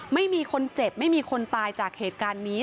ไม่มีคนเจ็บไม่มีคนตายจากเหตุการณ์นี้